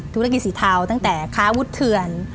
ธุรกิจสีเทาตั้งแต่ค้าวุฒิเถื่อน